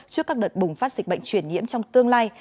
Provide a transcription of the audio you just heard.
trước các đợt bùng phát dịch bệnh truyền nhiễm trong tương lai